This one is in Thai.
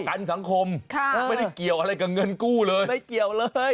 ประกันสังคมไม่ได้เกี่ยวอะไรกับเงินกู้เลย